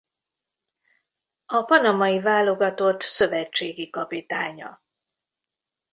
A Panamai válogatott szövetségi kapitánya.